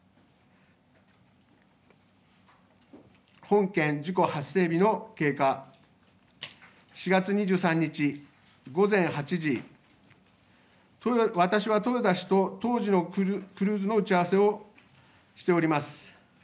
本件事故発生日の経過、４月２３日午前８時、私は豊田氏と当時のクルーズの打ち合わせをしております。